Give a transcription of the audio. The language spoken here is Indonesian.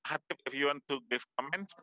apakah anda ingin memberikan komentar